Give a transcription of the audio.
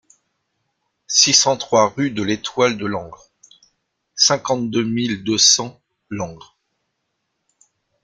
six cent trois rue de l'Étoile de Langres, cinquante-deux mille deux cents Langres